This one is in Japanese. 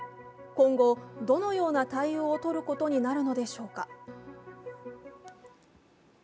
今後、どのような対応をとることになるのでしょうか？